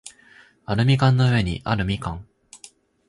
アルミ缶の上にあるみかん